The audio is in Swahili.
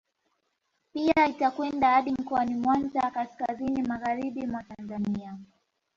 Pia itakwenda hadi mkoani Mwanza kaskazini magharibi mwa Tanzania